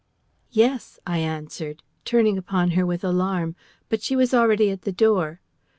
"Yes," I answered, turning upon her with alarm. But she was already at the door.